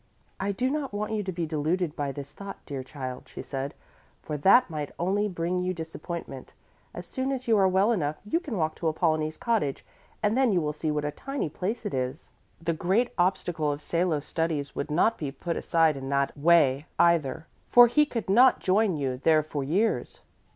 "I do not want you to be deluded by this thought, dear child," she said, "for that might only bring you disappointment. As soon as you are well, you can walk to Apollonie's cottage and then you will see what a tiny place it is. The great obstacle of Salo's studies would not be put aside in that way, either, for he could not join you there for years."